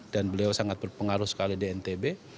dan memiliki komunikasi yang baik